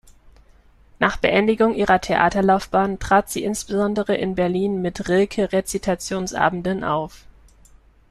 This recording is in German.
Nach Beendigung ihrer Theaterlaufbahn trat sie insbesondere in Berlin mit Rilke-Rezitationsabenden auf.